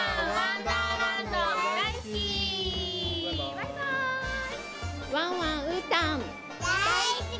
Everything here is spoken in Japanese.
だいすき！